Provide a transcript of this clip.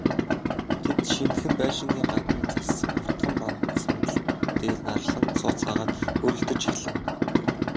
Тэд, шинэхэн байшингийн гадна зассан уртхан бандан сандал дээр нарлан сууцгаагаад хөөрөлдөж эхлэв.